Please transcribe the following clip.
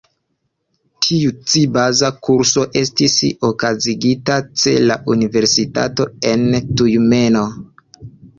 Tiu ci baza kurso estis okazigita ce la universitato en Tjumeno.